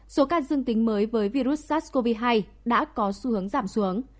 số ca dương tính mới với virus sars cov hai đã có xu hướng giảm xuống